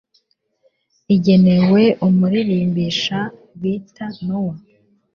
igenewe umuririmbisha bita nowa